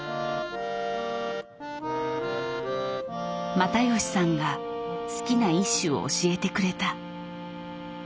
又吉さんが好きな一首を教えてくれた。